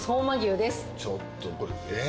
ちょっとこれえ。